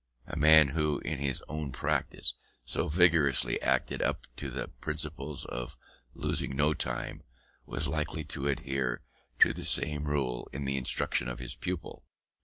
A man who, in his own practice, so vigorously acted up to the principle of losing no time, was likely to adhere to the same rule in the instruction of his pupil.